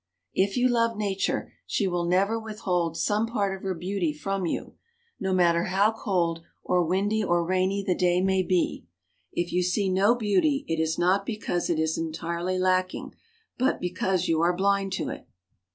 If you love nature, she will never withhold some part of her beauty from you, no matter how cold or windy or rainy the day may be. If you see no beauty it is not because it is entirely lacking, but because you are blind to it.